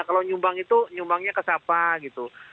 kalau nyumbang itu nyumbangnya ke siapa gitu